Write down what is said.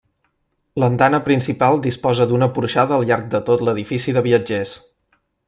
L'andana principal disposa d'una porxada al llarg de tot l'edifici de viatgers.